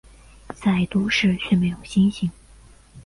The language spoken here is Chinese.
在都市却没有星星